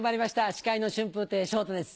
司会の春風亭昇太です。